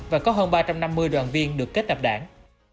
và có hơn ba trăm năm mươi đoàn viên được kết nạp đảng